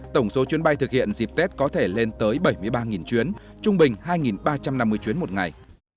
tổng số chuyến bay thực hiện dịp tết có thể lên tới bảy mươi ba chuyến trung bình hai ba trăm năm mươi chuyến một ngày